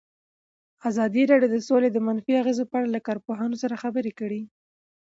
ازادي راډیو د سوله د منفي اغېزو په اړه له کارپوهانو سره خبرې کړي.